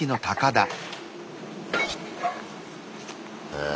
へえ。